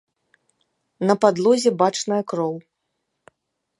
На падлозе бачная кроў.